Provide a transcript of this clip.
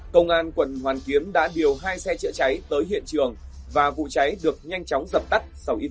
công an quận hoàn kiếm đã điều hai xe chữa cháy tới hiện trường và vụ cháy được nhanh chóng dập tắt